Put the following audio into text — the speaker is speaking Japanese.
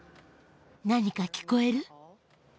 何か聞こえる？